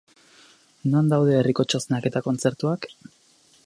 Non daude herriko txoznak eta kontzertuak?